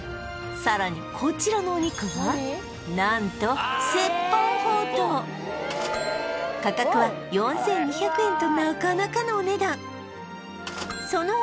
さらにこちらのお肉は何と価格は４２００円となかなかのお値段その他